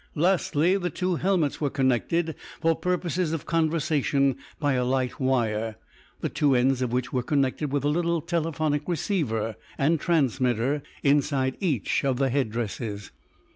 Lastly, the two helmets were connected, for purposes of conversation, by a light wire, the two ends of which were connected with a little telephonic receiver and transmitter inside each of the head dresses.